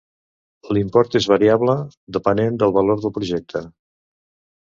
L'import és variable, depenent del valor del projecte.